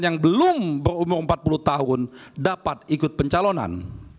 yang belum berumur empat puluh tahun dapat ikut pencalonan